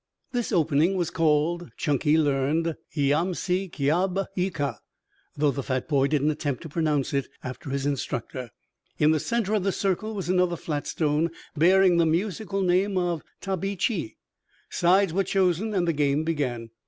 This opening was called, Chunky learned, "Yam si kyalb yi ka," though the fat boy didn't attempt to pronounce it after his instructor. In the centre of the circle was another flat stone bearing the musical name of "Taa bi chi." Sides were chosen and the game began.